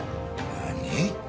何？